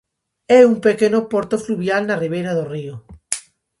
É un pequeno porto fluvial na ribeira do río.